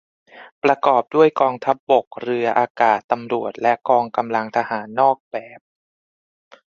ประกอบด้วยกองทัพบก เรือ อากาศ ตำรวจ และกองกำลังทหารนอกแบบ